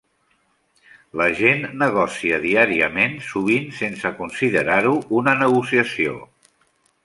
La gent negocia diàriament, sovint sense considerar-ho una negociació.